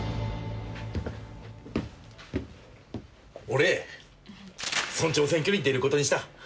俺村長選挙に出ることにした。